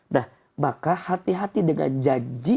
nah maka hati hati dengan janji